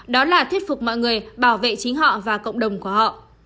đó là thuyết phục mọi người bảo vệ chính họ và cộng đồng của họ